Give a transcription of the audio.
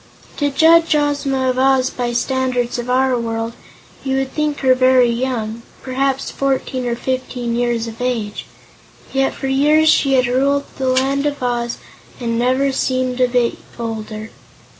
To judge Ozma of Oz by the standards of our world, you would think her very young perhaps fourteen or fifteen years of age yet for years she had ruled the Land of Oz and had never seemed a bit older.